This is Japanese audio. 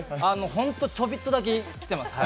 本当にちょびっとだけ来てますね。